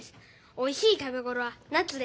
おいしい食べごろは夏で。